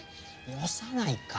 よさないか！